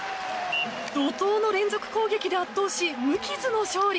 怒涛の連続攻撃で圧勝し無傷の勝利。